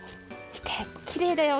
みてきれいだよ。